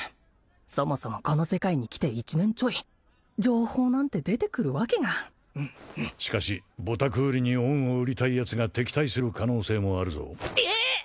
そもそもこの世界に来て１年ちょい情報なんて出てくるわけがしかしボタクーリに恩を売りたいヤツが敵対する可能性もあるぞえっ！？